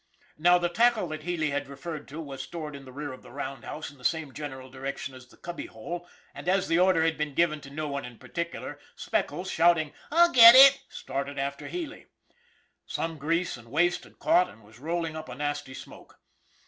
Now, the tackle that Healy had referred to was stored in the rear of the roundhouse in the same gen eral direction as the cubby hole, and as the order had been given to no one in particular, Speckles, shouting " I'll get it," started after Healy. Some grease and waste had caught and was rolling up a nasty smoke.